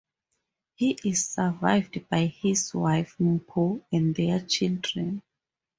He is survived by his wife Mpho and their children.